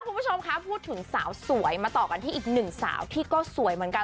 คุณผู้ชมคะพูดถึงสาวสวยมาต่อกันที่อีกหนึ่งสาวที่ก็สวยเหมือนกัน